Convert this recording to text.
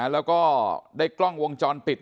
แล้วก็ได้กล้องวงจรปิด